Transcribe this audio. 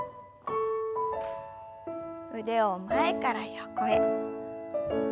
腕を前から横へ。